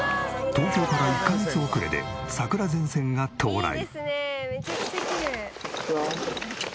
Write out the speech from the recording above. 東京から１カ月遅れで桜前線が到来。